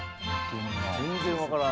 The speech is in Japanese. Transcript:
全然わからん。